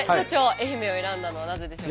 愛媛を選んだのはなぜでしょう？